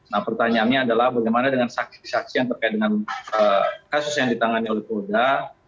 nah pertanyaannya adalah bagaimana dengan saksi saksi yang terkait dengan kasus yang ditangani oleh polda